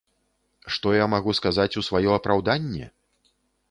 Што я магу сказаць у сваё апраўданне?